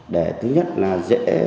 để thứ nhất là dễ